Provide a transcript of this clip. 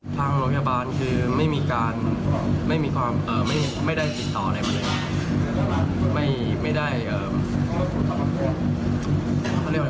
ทางโรงพยาบาลไม่ได้ผิดต่อในมันเลย